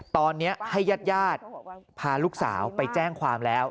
ตอนนี้ให้ญาติพาลูกสาวไปแจ้งความแล้ว